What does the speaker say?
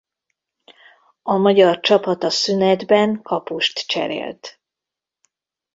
A magyar csapat a szünetben kapust cserélt.